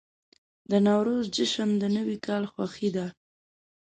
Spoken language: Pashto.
د نوروز جشن د نوي کال خوښي ده.